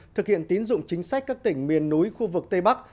thực hiện tín dụng chính sách các tỉnh miền núi khu vực tây bắc